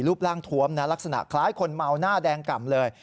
ร่างทวมนะลักษณะคล้ายคนเมาหน้าแดงก่ำเลย